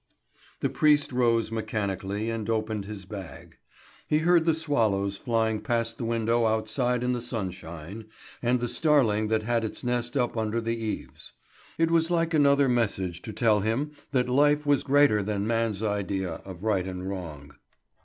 The priest rose mechanically and opened his bag. He heard the swallows flying past the window outside in the sunshine, and the starling that had its nest up under the eaves. It was like another message to tell him that life was greater than man's idea of right and wrong.